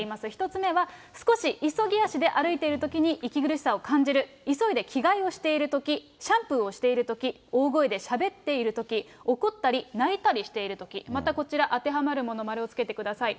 １つ目は少し急ぎ足で歩いてるときに息苦しさを感じる、急いで着替えをしているとき、シャンプーをしているとき、大声でしゃべっているとき、怒ったり泣いたりしているとき、またこちら、当てはまるもの〇をつけてください。